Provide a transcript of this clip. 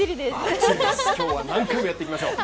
今日は何回もやっていきましょう。